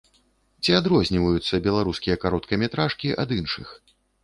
Ці адрозніваюцца беларускія кароткаметражкі ад іншых?